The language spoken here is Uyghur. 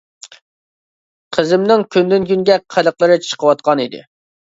قىزىمنىڭ كۈندىن كۈنگە قىلىقلىرى چىقىۋاتقان ئىدى.